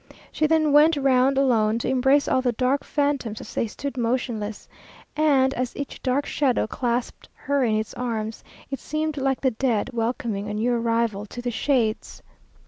She then went round alone to embrace all the dark phantoms as they stood motionless, and as each dark shadow clasped her in its arms, it seemed like the dead welcoming a new arrival to the shades.